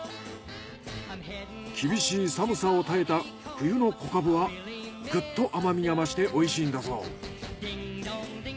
厳しい寒さを耐えた冬の小かぶはグッと甘みが増しておいしいんだそう。